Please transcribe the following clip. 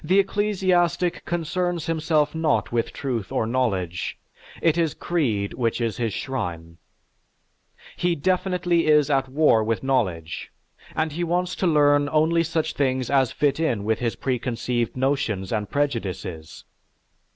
The ecclesiastic concerns himself not with truth or knowledge; it is creed which is his shrine. He definitely is at war with knowledge and he wants to learn only such things as fit in with his preconceived notions and prejudices.